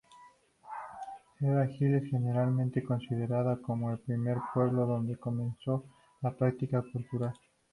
Cedar Hill es generalmente considerado como el primer pueblo donde comenzó la práctica cultural.